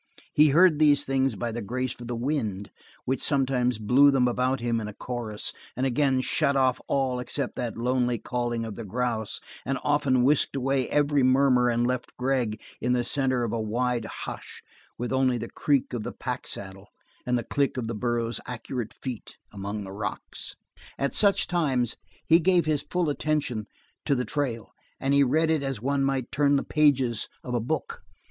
He heard these things by the grace of the wind, which sometimes blew them about him in a chorus, and again shut off all except that lonely calling of the grouse, and often whisked away every murmur and left Gregg, in the center of a wide hush with only the creak of the pack saddle and the click of the burro's accurate feet among the rocks. At such times he gave his full attention to the trail, and he read it as one might turn the pages of a book.